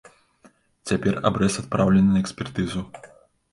Цяпер абрэз адпраўлены на экспертызу.